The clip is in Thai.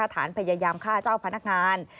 ฐานพยายามฆ่าเจ้าพนักงาน